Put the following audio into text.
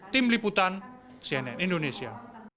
tim liputan cnn indonesia